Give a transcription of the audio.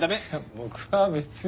僕は別に。